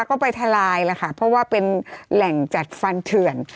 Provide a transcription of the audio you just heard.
ก็ไปทลายแล้วค่ะเพราะว่าเป็นแหล่งจัดฟันเถื่อน